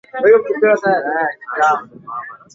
Mama yule ana watoto wanne